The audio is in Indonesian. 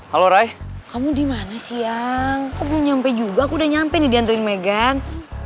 halo rai kamu dimana siang kok belum nyampe juga aku udah nyampe nih diantuin megan